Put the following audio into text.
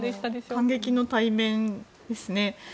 感激の対面ですね。